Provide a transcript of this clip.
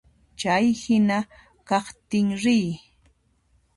Chay hina kaqtin riy.